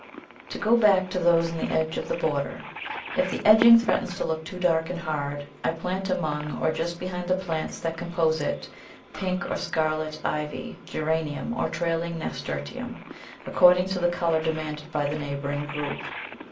To go back to those in the edge of the border: if the edging threatens to look too dark and hard, I plant among or just behind the plants that compose it, pink or scarlet Ivy Geranium or trailing Nasturtium, according to the colour demanded by the neighbouring group.